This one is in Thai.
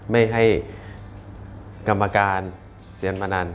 ไม่ให้กรรมการเสียงมานาน